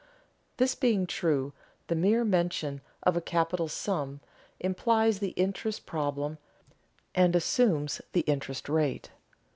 This being true, the mere mention of a capital sum implies the interest problem, and assumes the interest rate.